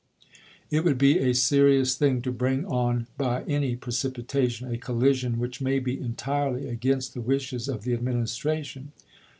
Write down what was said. It would be a serious thing to bring on by any precipitation a collision which may be entirely against the wishes of the Administration.